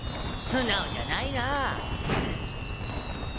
素直じゃないな。